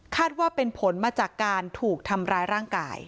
ว่าเป็นผลมาจากการถูกทำร้ายร่างกาย